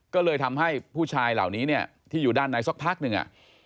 ก็เลยทำให้ผู้ชายเหล่านี้เนี่ยที่อยู่ด้านในสักพักหนึ่ง